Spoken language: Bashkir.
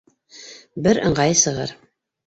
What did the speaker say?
Бер ыңғайы сығыр.